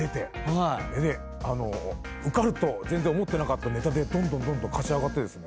受かると全然思ってなかったネタでどんどん勝ち上がって。